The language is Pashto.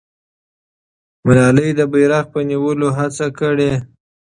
ملالۍ د بیرغ په نیولو هڅه کړې.